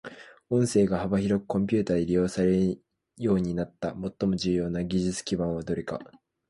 音声が幅広くコンピュータで利用されるようになった最も重要な技術基盤はどれか。